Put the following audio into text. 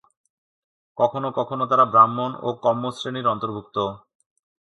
কখনও কখনও তারা ব্রাহ্মণ ও কম্ম শ্রেণির অন্তর্ভুক্ত।